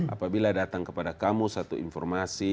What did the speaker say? apabila datang kepada kamu satu informasi